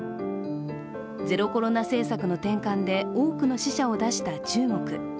ゼロコロナ政策の転換で多くの死者を出した中国。